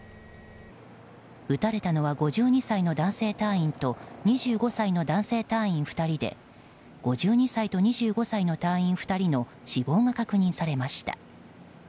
撃たれたのは５２歳の男性隊員と２５歳の男性隊員２人で５２歳と２５歳の隊員２人の死亡が確認されました。